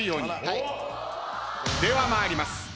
では参ります。